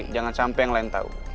jangan sampai yang lain tahu